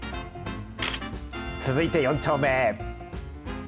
続いて４丁目。